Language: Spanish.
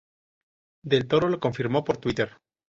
Del toro lo confirmó por Twitter.